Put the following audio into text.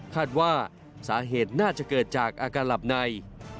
คาดว่าสาเหตุน่าจะเกิดจากอาการหลับใน